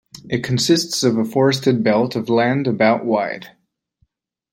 It consists of a forested belt of land, about wide.